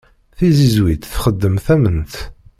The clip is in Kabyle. Tizizwit txeddem-d tament.